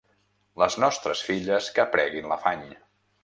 Les nostres filles que preguin l’afany.